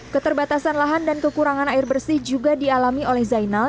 keterbatasan lahan dan kekurangan air bersih juga dialami oleh zainal